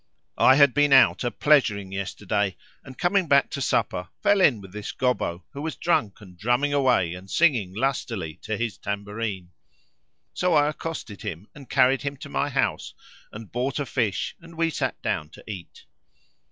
I had been out a pleasuring yesterday and, coming back to supper, fell in with this Gobbo, who was drunk and drumming away and singing lustily to his tambourine. So I accosted him and carried him to my house and bought a fish, and we sat down to eat.